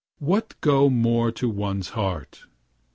what go more to one's heart?)